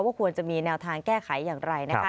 ควรจะมีแนวทางแก้ไขอย่างไรนะคะ